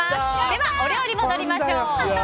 では、お料理に戻りましょう。